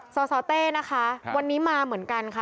สสเต้นะคะวันนี้มาเหมือนกันค่ะ